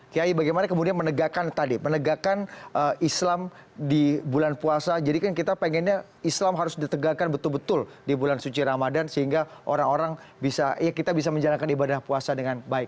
kiai bagaimana kemudian menegakkan tadi menegakkan islam di bulan puasa jadi kan kita pengennya islam harus ditegakkan betul betul di bulan suci ramadhan sehingga orang orang bisa ya kita bisa menjalankan ibadah puasa dengan baik